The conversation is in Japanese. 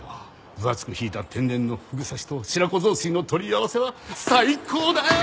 分厚くひいた天然のフグ刺しと白子雑炊の取り合わせは最高だよ！